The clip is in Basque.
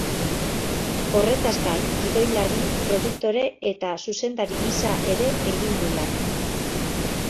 Horretaz gain, gidoilari, produktore eta zuzendari gisa ere egin du lan.